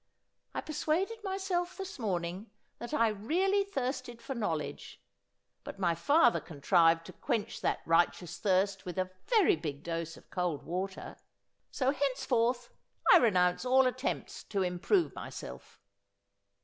I per suaded myself this morning that I really thirsted for knowledge ; but my father contrived to quench that righteous thirst with a very big dose of cold water — so henceforth I renounce all attempts to improve myself.'